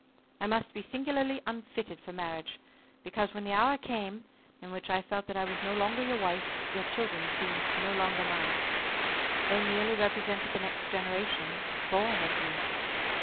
I must be singularly unfitted for marriage, because, when the hour came in which I felt that I was no longer your wife, your children seemed no longer mine. They merely represented the next generation born of me.